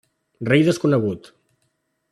Rei desconegut.